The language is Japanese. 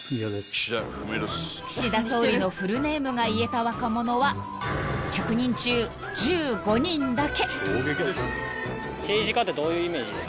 ［岸田総理のフルネームが言えた若者は１００人中１５人だけ］